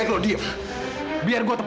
iya prophet kamilah hamil